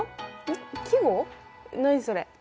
何それ。